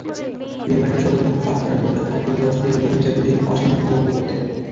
ত্রিপাঠির শপথবাক্য পাঠ করান কলকাতা হাইকোর্টের অস্থায়ী প্রধান বিচারপতি অসীম কুমার বন্দ্যোপাধ্যায়।